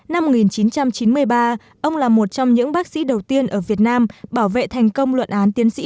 năm một nghìn chín trăm chín mươi ba ông là một trong những bác sĩ đầu tiên ở việt nam bảo vệ thành công luận án tiến sĩ